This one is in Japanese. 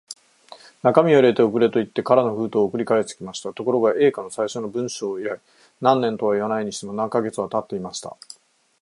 中身を入れて送れ、といって空の封筒を送り返してきました。ところが、Ａ 課の最初の文書以来、何年とはいわないにしても、何カ月かはたっていました。